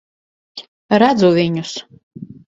Redzu viņus.